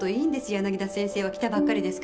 柳田先生は来たばっかりですから。